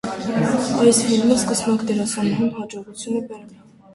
Այս ֆիլմը սկսնակ դերասանուհուն հաջողություն է բերել։